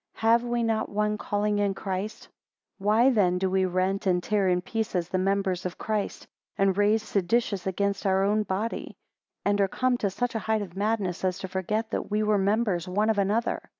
Have we not one calling in Christ. 17 Why then do we rent and tear in pieces the members of Christ; and raise seditious against our own body? And are come to such a height of madness, as to forget that we were members one of another?